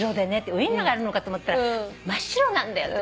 ウインナーがあるのかと思ったら真っ白なんだよって。